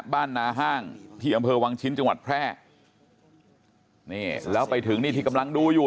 บ้านนาห้างที่อำเภอวังชิ้นจังหวัดแพร่นี่แล้วไปถึงนี่ที่กำลังดูอยู่